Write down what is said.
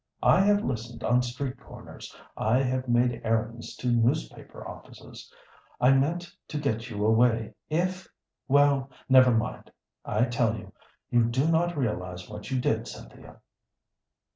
I have listened on street corners; I have made errands to newspaper offices. I meant to get you away if Well, never mind I tell you, you do not realize what you did, Cynthia."